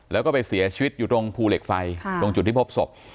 แล้วก็ไปเสียชีวิตอยู่ตรงภูเหล็กไฟตรงจุดที่พบศพ